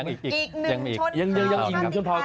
อีก๑ชุดครับ